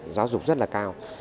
giáo dục rất là cao